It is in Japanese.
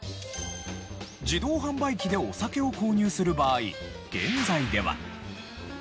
自動販売機でお酒を購入する場合現在では。